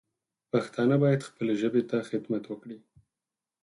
پښتانه باید خپلې ژبې ته خدمت وکړي